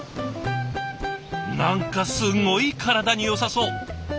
何かすごい体によさそう。